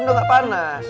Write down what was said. udah gak panas